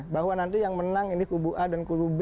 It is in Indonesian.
bahwa nanti yang menang ini kubu a dan kubu b